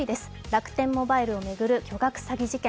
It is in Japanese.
楽天モバイルを巡る巨額詐欺事件。